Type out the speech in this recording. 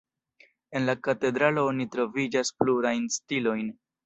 En la katedralo oni troviĝas plurajn stilojn.